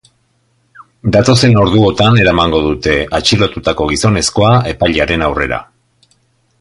Datozen orduotan eramango dute atxilotutako gizonezkoa epailearen aurrera.